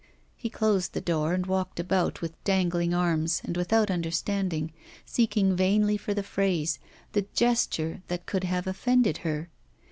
He closed the door, and walked about, with dangling arms, and without understanding, seeking vainly for the phrase, the gesture that could have offended her.